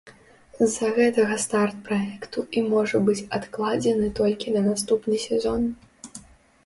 З-за гэтага старт праекту і можа быць адкладзены толькі на наступны сезон.